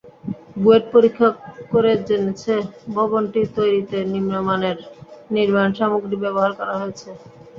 বুয়েট পরীক্ষা করে জেনেছে, ভবনটি তৈরিতে নিম্নমানের নির্মাণসামগ্রী ব্যবহার করা হয়েছে।